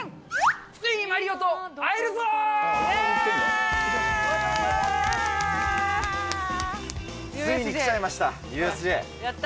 ついに来ちゃいました。